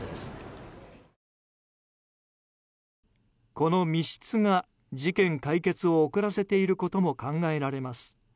この密室が事件解決を遅らせていることも考えられます。